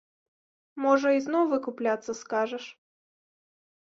Можа, ізноў выкупляцца скажаш?